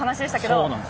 そうなんですよ。